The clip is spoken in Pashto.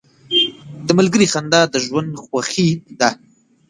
• د ملګري خندا د ژوند خوښي ده.